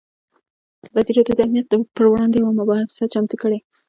ازادي راډیو د امنیت پر وړاندې یوه مباحثه چمتو کړې.